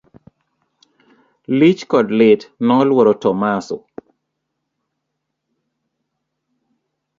Lich kod lit noluoro Tomaso.